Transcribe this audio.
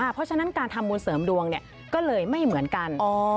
เพราะฉะนั้นการทำบุญเสริมดวงก็เลยไม่เหมือนกัน